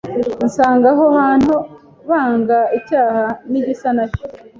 nsanga aho hantu banga icyaha n’igisa nacyo